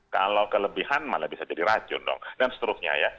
kalau kelebihan malah bisa jadi racun dong dan seterusnya ya